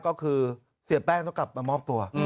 ก็คือเสียแป้งต้องกลับมามอบตัว